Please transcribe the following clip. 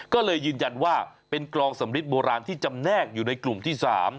ก็เลยยืนยันว่าเป็นกลองสำลิดโบราณที่จำแนกอยู่ในกลุ่มที่๓